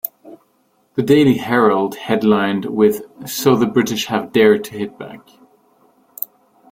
The "Daily Herald" headlined with "So the British Have Dared to Hit Back".